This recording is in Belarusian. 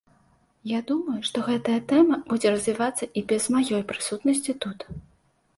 Я думаю, што гэтая тэма будзе развівацца і без маёй прысутнасці тут.